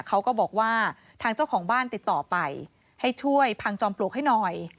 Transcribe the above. เขาก็บอกว่าทางเจ้าของบ้านติดต่อไปให้ช่วยพังจอมปลวกให้หน่อย